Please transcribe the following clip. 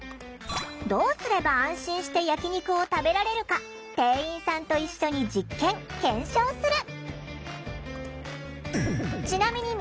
どうすれば安心して焼き肉を食べられるか店員さんと一緒に実験・検証する。